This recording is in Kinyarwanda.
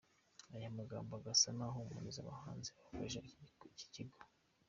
Aya magambo agasa n’ahumuriza abahanzi bakoreshaga iki kigo.